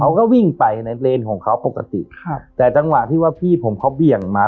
เขาก็วิ่งไปในเลนของเขาปกติครับแต่จังหวะที่ว่าพี่ผมเขาเบี่ยงมา